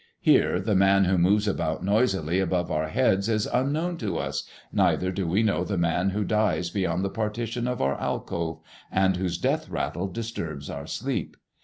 Here the man who moves about noisily above our heads is unknown to us, neither do we know the man who dies beyond the partition of our alcove, and whose death rattle disturbs our sleep.